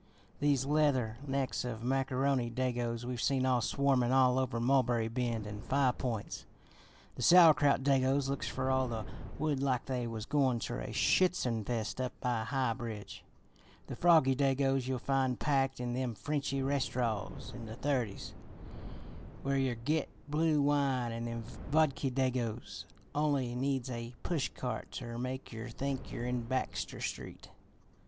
These leather necks of Macaroni Dagos we've seen a swarmin' all over Mulberry Bend an' Five Points; the Sauerkraut Dagos looks fer all the woild like they was goin' ter a Schützenfest up by High Bridge; the Froggie Dagos you'll find packed in them Frenchy restaraws in the Thirties where yer git blue wine and them Vodki Dagos only needs a pushcart ter make yer think yer in Baxter Street.'